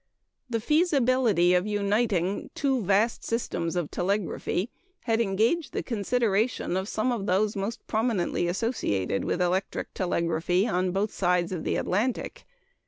] The feasibility of uniting the two vast systems of telegraphy had engaged the consideration of some of those most prominently associated with electric telegraphy on both sides of the Atlantic.